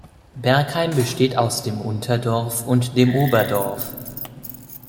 Bergheim besteht aus dem Unterdorf und dem Oberdorf.